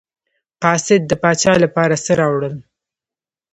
قاصد د پاچا لپاره څه راوړل.